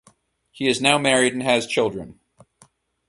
He is now married and has children.